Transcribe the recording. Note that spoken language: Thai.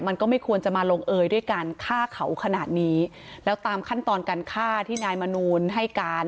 มันก็ไม่ควรจะมาลงเอยด้วยการฆ่าเขาขนาดนี้แล้วตามขั้นตอนการฆ่าที่นายมนูลให้การ